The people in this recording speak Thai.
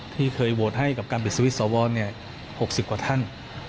ที่เคยโหวตให้กับการปิดสวิตชอวร๖๐กว่าท่าน